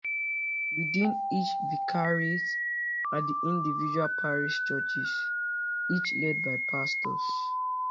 Within each vicariate are the individual parish churches, each led by pastors.